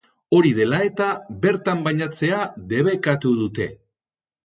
Hori dela eta, bertan bainatzea debekatu dute.